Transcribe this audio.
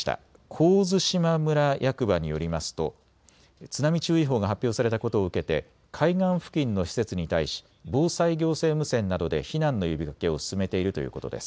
神津島村役場によりますと津波注意報が発表されたことを受けて海岸付近の施設に対し防災行政無線などで避難の呼びかけを進めているということです。